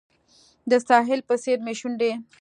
د ساحل په څیر مې شونډې